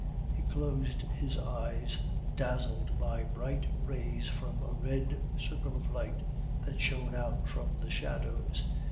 He closed his eyes, dazzled by bright rays from a red circle of light that shone out from the shadows.